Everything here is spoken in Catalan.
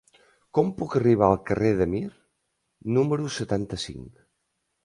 Com puc arribar al carrer de Mir número setanta-cinc?